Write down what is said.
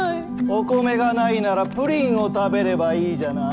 お米がないならプリンを食べればいいじゃない。